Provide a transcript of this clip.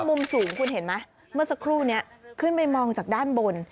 มุมสูงคุณเห็นไหมเมื่อสักครู่นี้ขึ้นไปมองจากด้านบน